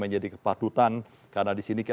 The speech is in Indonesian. menjadi kepatutan karena disini